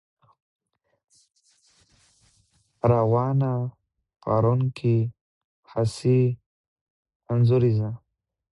روانه، پارونکې، ، حسي، انځوريزه